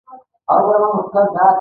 د احمدشاهبابا مزار د کندهار په ښار کی دی